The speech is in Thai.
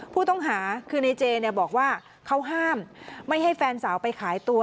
ผู้ต้องหาคือในเจเนี่ยบอกว่าเขาห้ามไม่ให้แฟนสาวไปขายตัว